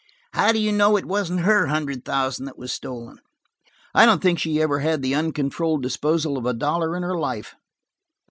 How do you know it wasn't her hundred thousand that was stolen?" "I don't think she ever had the uncontrolled disposal of a dollar in her life."